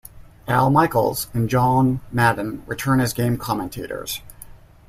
Al Michaels and John Madden return as game commentators.